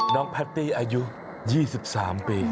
น้องแพตตี้อายุ๒๓ปี